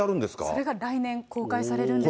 それが来年、公開されるんですって。